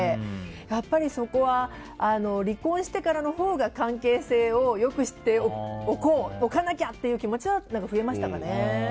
やっぱり、そこは離婚してからのほうが関係性を良くしておかなきゃっていうのは増えましたかね。